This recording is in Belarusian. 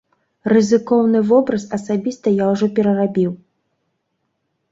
Рызыкоўны вобраз асабіста я ўжо перарабіў.